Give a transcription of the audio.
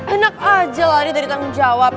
enak aja lari dari tanggung jawab